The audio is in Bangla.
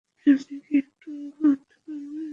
আপনি কি একটু আলো আনতে পারবেন?